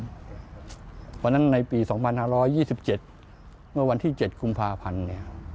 เพราะฉะนั้นในปี๒๕๒๗เมื่อวันที่๗กุมภาพันธ์เนี่ย